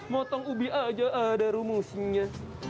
motong ubi aja ada rumusnya